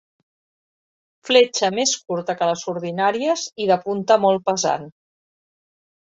Fletxa més curta que les ordinàries i de punta molt pesant.